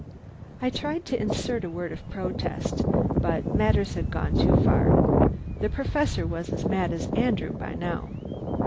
I tried to insert a word of protest, but matters had gone too far. The Professor was as mad as Andrew now.